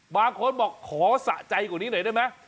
บางคนบอกขอสะใจกว่านี้หน่อยได้ไหม